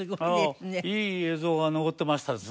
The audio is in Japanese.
いい映像が残ってましたですね。